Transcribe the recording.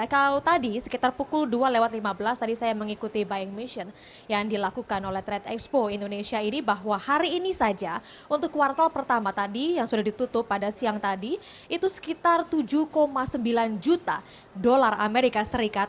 kalau tadi sekitar pukul dua lewat lima belas tadi saya mengikuti buying mission yang dilakukan oleh trade expo indonesia ini bahwa hari ini saja untuk kuartal pertama tadi yang sudah ditutup pada siang tadi itu sekitar tujuh sembilan juta dolar amerika serikat